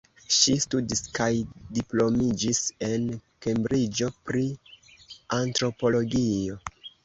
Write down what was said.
Ŝi studis kaj diplomiĝis en Kembriĝo pri antropologio.